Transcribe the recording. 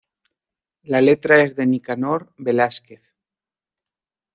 La letra es de Nicanor Velásquez.